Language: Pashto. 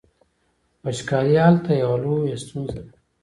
وچکالي هلته یوه لویه ستونزه ده.